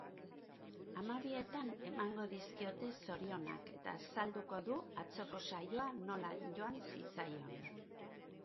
Hamabietan emango dizkiote zorionak eta azalduko du atzoko saioa nola joan zitzaion.